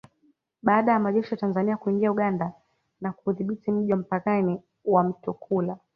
Baada ya majeshi ya Tanzania kuingia Uganda na kuudhibiti mji wa mpakani wa Mtukula